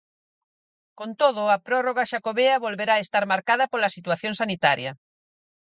Con todo, a prórroga xacobea volverá estar marcada pola situación sanitaria.